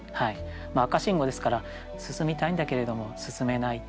赤信号ですから進みたいんだけれども進めないっていう。